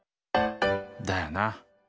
だよな！